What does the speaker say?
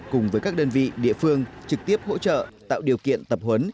cùng với các đơn vị địa phương trực tiếp hỗ trợ tạo điều kiện tập huấn